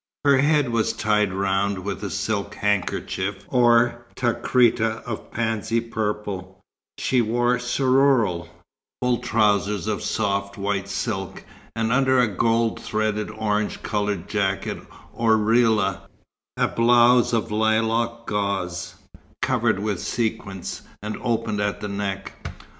Her head was tied round with a silk handkerchief or takrita of pansy purple; she wore seroual, full trousers of soft white silk, and under a gold threaded orange coloured jacket or rlila, a blouse of lilac gauze, covered with sequins and open at the neck.